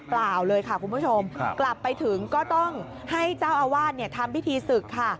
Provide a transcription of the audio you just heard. เปล่าเลยค่ะคุณผู้ชมกลับไปถึงก็ต้องให้เจ้าอาวาสทำพิธีศึกค่ะ